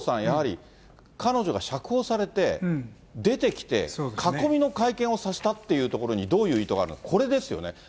やはり、彼女が釈放されて、出てきて、囲みの会見をさせたっていうところにどういう意図があるのか、これですよね。